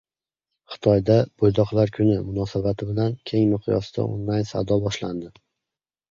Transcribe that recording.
Xitoyda "bo‘ydoqlar kuni" munosabati bilan keng miqyosdagi onlayn savdo boshlandi